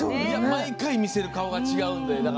毎回見せる顔が違うので。